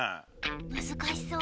むずかしそう。